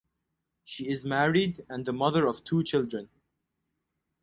She is married and the mother of two children.